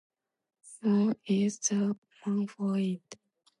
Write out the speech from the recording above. Moore is the man for it.